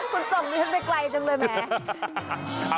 คุณส่งมันได้ไกลจังเลยแม่